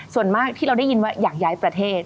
ส่วนมากที่เราได้ยินว่าอยากย้ายประเทศ